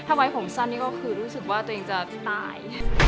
ถ้าไว้ผมสั้นนี่ก็คือรู้สึกว่าตัวเองจะตาย